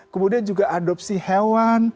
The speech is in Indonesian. kemudian juga adopsi hewan